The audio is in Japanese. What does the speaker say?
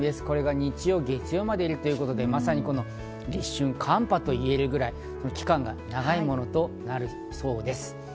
これが日曜、月曜までいるということで立春寒波と言えるくらい期間が長いものとなりそうです。